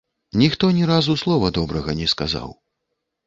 Ніхто ні разу слова добрага не сказаў.